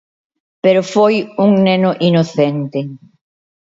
Pero foi un neno inocente.